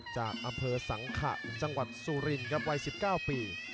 จากอำเภอสังขะจังหวัดสุรินครับวัย๑๙ปี